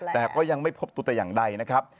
แต่ก็ยังไม่พบตัวแต่อย่างใดนะครับ